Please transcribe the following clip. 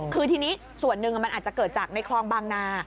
คือทีนี้ส่วนหนึ่งมันอาจจะเกิดจากในคลองบางนา